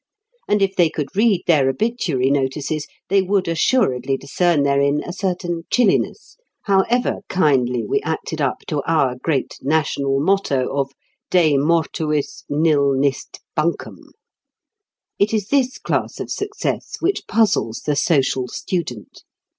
And if they could read their obituary notices they would assuredly discern therein a certain chilliness, however kindly we acted up to our great national motto of De mortuis nil nist bunkum. It is this class of success which puzzles the social student.